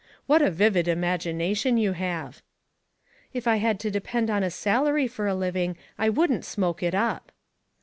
* What a vivid imagination you have !"" If I had to depend on a salary for a living I wouldn't smoke it up."